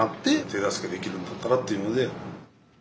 手助けできるんだったらというので。